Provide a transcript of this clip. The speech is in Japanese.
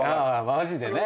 マジでね。